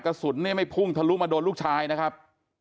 กระสุนเนี่ยไม่พุ่งทะลุมาโดนลูกชายนะครับ